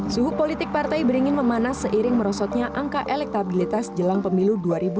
suhu politik partai beringin memanas seiring merosotnya angka elektabilitas jelang pemilu dua ribu dua puluh